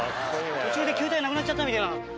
途中で球体なくなっちゃったみてぇな。